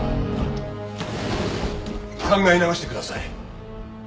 考え直してください。